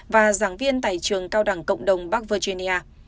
và giảng viên tài trường cao đẳng cộng đồng bắc virginia